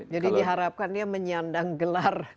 jadi diharapkan dia menyandang gelar